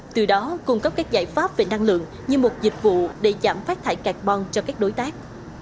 từ đó cung cấp các giải pháp về năng lượng như một dịch vụ để giảm phát thải carbon cho các đối tác